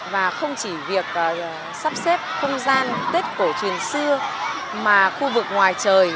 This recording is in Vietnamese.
và không chỉ việc sắp xếp không gian tết cổ truyền xưa mà khu vực ngoài trời